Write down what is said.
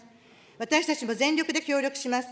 私たちも全力で協力します。